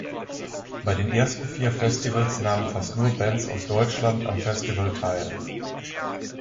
Bei den ersten vier Festivals nahmen fast nur Bands aus Deutschland am Festival teil.